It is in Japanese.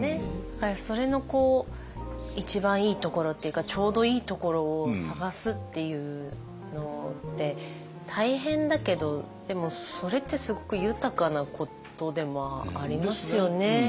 だからそれの一番いいところっていうかちょうどいいところを探すっていうのって大変だけどでもそれってすごく豊かなことでもありますよね。